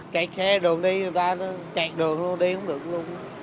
kẹt xe đường đi người ta nó kẹt đường đi không được luôn